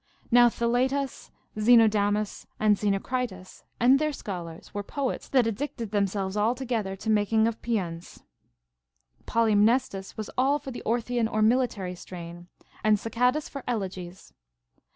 Now Thaletas, Xenodamus, and Xenocritus, and their schohirs, were poets that addicted themselves altogether to making of paeans ; Polymnestus was all for the Orthian or military strain, and Sacadas for elegies.